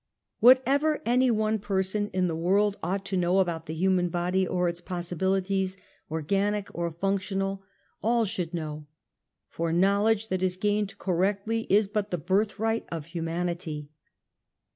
Whatever any one person in the w^orld ought to know about the human body or its posssibilities, ■organic or functional, all should know, for knowledge that is gained correctly is but the birthright of hu manity.